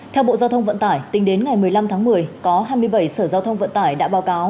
theo bộ giao thông vận tải tính đến ngày một mươi năm tháng một mươi có hai mươi bảy sở giao thông vận tải đã báo cáo